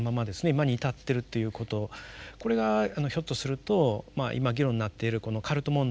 今に至っているっていうことこれがひょっとすると今議論になっているカルト問題のですね